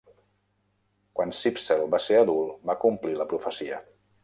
Quan Cípsel va ser adult, va complir la profecia.